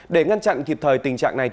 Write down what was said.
để ngăn chặn kịp thời tình trạng này